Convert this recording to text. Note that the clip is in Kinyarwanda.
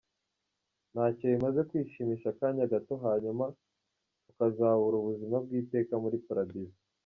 Ntacyo bimaze kwishimisha akanya gato hanyuma ukazabura ubuzima bw’iteka muli paradizo.